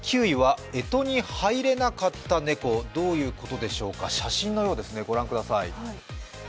９位は「干支に入れなかった猫」どういうことでしょうか、写真のようですね。